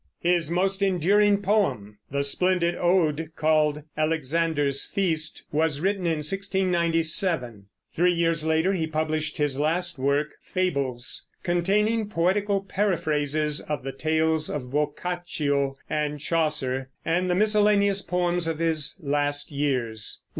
His most enduring poem, the splendid ode called "Alexander's Feast," was written in 1697. Three years later he published his last work, Fables, containing poetical paraphrases of the tales of Boccaccio and Chaucer, and the miscellaneous poems of his last years.